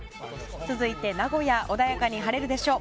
続いて名古屋穏やかに晴れるでしょう。